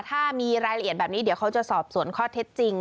ถ้ามีรายละเอียดแบบนี้เดี๋ยวเขาจะสอบสวนข้อเท็จจริง